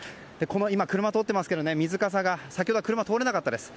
今、車が通っていますが水かさが先ほどは車は通れなかったです。